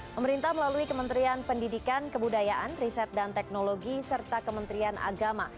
pemerintah melalui kementerian pendidikan kebudayaan riset dan teknologi serta kementerian agama